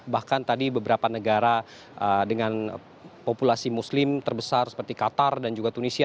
bahkan tadi beberapa negara dengan populasi muslim terbesar seperti qatar dan juga tunisia